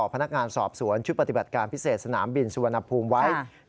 พนักงานสอบสวนชุดปฏิบัติการพิเศษสนามบินสุวรรณภูมิไว้